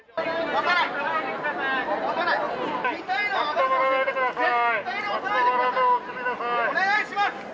お願いします。